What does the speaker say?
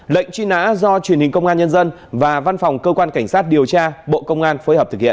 lệnh truy nã do truyền hình công an nhân dân và văn phòng cơ quan cảnh sát điều tra bộ công an phối hợp thực hiện